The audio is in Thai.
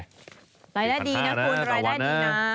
รายได้ดีนะคุณรายได้ดีนะ